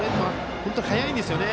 本当に速いんですよね。